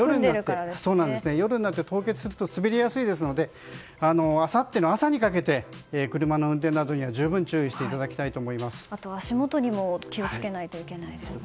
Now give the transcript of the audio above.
夜になって凍結すると滑りやすいですのであさっての朝にかけて車の運転などには十分注意していただきたいと足元にも気を付けないといけないですね。